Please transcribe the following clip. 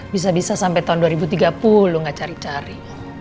bisa bisa sampai tahun dua ribu tiga puluh lu gak cari cari